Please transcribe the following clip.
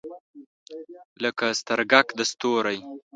لکه سترګګ د ستوری